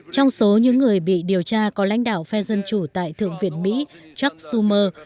trong số những người bị điều tra có lãnh đạo phe dân chủ tại thượng viện mỹ chuck summer